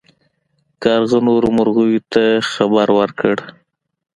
کارغه نورو مرغیو ته خبر ورکړ.